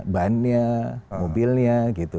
bannya mobilnya gitu